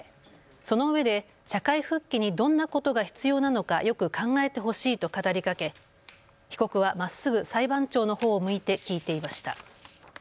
そのうえで社会復帰にどんなことが必要なのかよく考えてほしいと語りかけ被告はまっすぐ裁判長のほうを向いて聞いていました。